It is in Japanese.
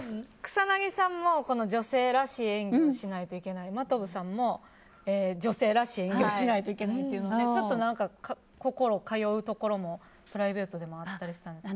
草なぎさんも女性らしい演技をしないといけない真飛さんも女性らしい演技をしないといけないというのでちょっと心通うところもプライベートでもあったりしたんですか？